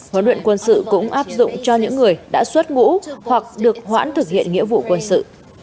huấn luyện quân sự cũng áp dụng cho những người đã xuất ngũ hoặc được hoãn thực hiện nghĩa vụ quân sự